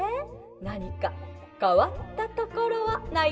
なにかかわったところはないかしら？」。